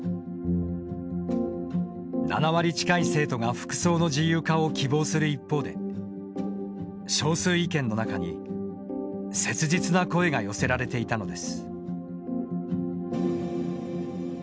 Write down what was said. ７割近い生徒が服装の自由化を希望する一方で少数意見の中に切実な声が寄せられていたのです。